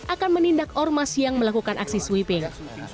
akan menindak ormas yang melakukan aksi sweeping